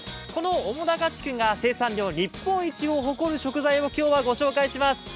この面高地区が生産量日本一を誇る食材を今日はご紹介します。